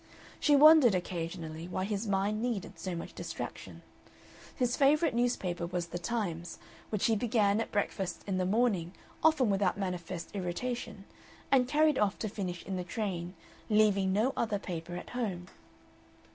She wondered occasionally why his mind needed so much distraction. His favorite newspaper was the Times, which he began at breakfast in the morning often with manifest irritation, and carried off to finish in the train, leaving no other paper at home.